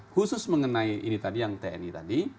khusus mengenai ini tadi yang tni tadi